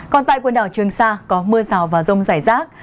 còn tại quần đảo trường sa có mưa rào và rông rải rác